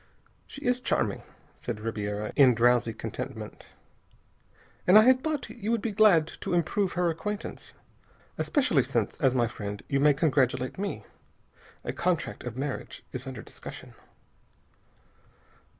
"She is charming," said Ribiera in drowsy contentment, "and I had thought you would be glad to improve her acquaintance. Especially since, as my friend, you may congratulate me. A contract of marriage is under discussion."